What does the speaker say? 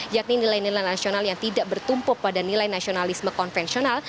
yakni nilai nilai nasional yang tidak bertumpuk pada nilai nasionalisme konvensional